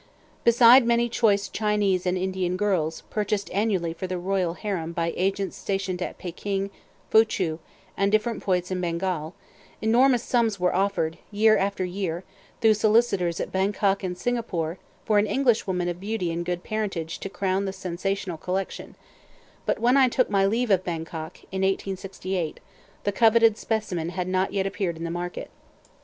Beside many choice Chinese and Indian girls, purchased annually for the royal harem by agents stationed at Peking, Foo chou, and different points in Bengal, enormous sums were offered, year after year, through "solicitors" at Bangkok and Singapore, for an English woman of beauty and good parentage to crown the sensational collection; but when I took my leave of Bangkok, in 1868, the coveted specimen had not yet appeared in the market.